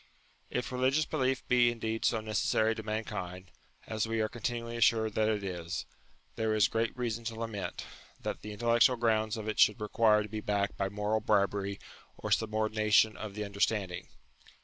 If religious belief be indeed so necessary to man kind, as we are continually assured that it is, there is great reason to lament, that the intellectual grounds of it should require to be backed by moral bribery or subornation of the understanding.